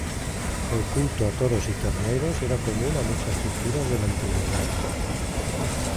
El culto a toros y terneros era común a muchas culturas de la Antigüedad.